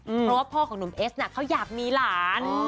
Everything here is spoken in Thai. เพราะว่าพ่อของหนุ่มเอสเขาอยากมีหลาน